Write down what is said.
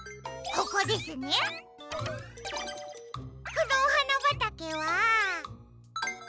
このおはなばたけは。